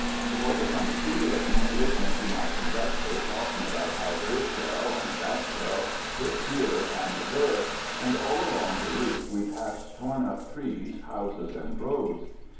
It was a funny feeling listening to my conductor talking about how this shell and that shell hit here and there; and all along the route we passed torn up trees, houses, and roads.